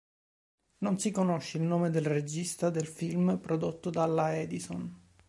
Non si conosce il nome del regista del film prodotto dalla Edison.